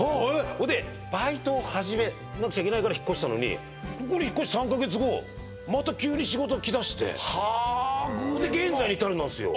それでバイトを始めなくちゃいけないから引っ越したのにここに引っ越して３カ月後また急に仕事が来だしてはあ偶然にもそれで現在に至るんですよ